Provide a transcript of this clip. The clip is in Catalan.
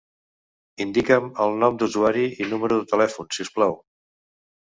Indica'm el nom d'usuari i número de telèfon, si us plau.